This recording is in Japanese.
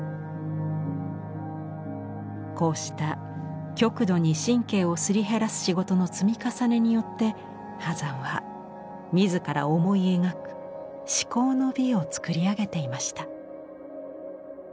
こうした極度に神経をすり減らす仕事の積み重ねによって波山は自ら思い描く至高の美を作り上げていました。